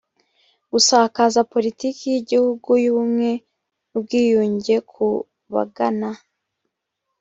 gusakaza politiki y igihugu y ubumwe n ubwiyunge ku bagana